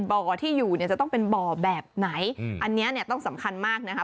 บ่อที่อยู่จะต้องเป็นบ่อแบบไหนอันนี้ต้องสำคัญมากนะครับ